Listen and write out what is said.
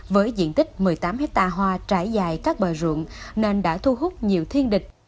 với diện tích một mươi tám hectare hoa trải dài các bờ ruộng nên đã thu hút nhiều thiên địch